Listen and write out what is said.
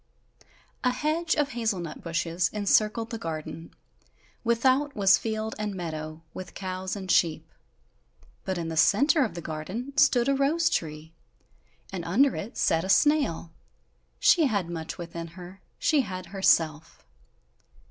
A hedge of hazel nut bushes encircled the garden; without was field and meadow, with cows and sheep; but in the centre of the garden stood a rose tree, and under it sat a snail she had much within her, she had herself.